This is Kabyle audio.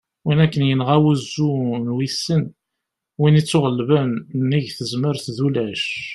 win akken yenɣa "wuzzu n wissen", win ittuɣellben : nnig tezmert d ulac